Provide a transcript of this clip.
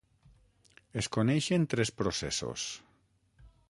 Es coneixen tres processos.